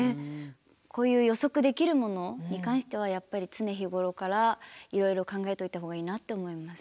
こういう予測できるものに関してはやっぱり常日頃からいろいろ考えておいた方がいいなと思います。